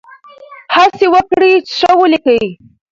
هڅه وکړئ چې ښه ولیکئ.